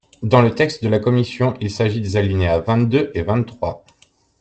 Dans le texte de la commission, il s’agit des alinéas vingt-deux et vingt-trois.